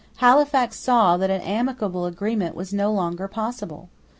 Halifax saw that an amicable arrangement was no longer possible.